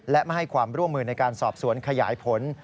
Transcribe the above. และไม่ให้ความร่วมมือในการสอบสวนขยายผล